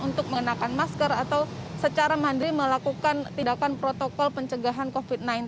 untuk mengenakan masker atau secara mandiri melakukan tindakan protokol pencegahan covid sembilan belas